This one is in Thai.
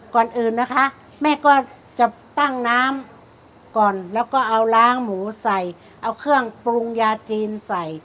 ก่อนอื่นนะคะแม่ก็จะตั้งน้ำก่อนแล้วก็เอาล้างหมูใส่เอาเครื่องปรุงยาจีนใส่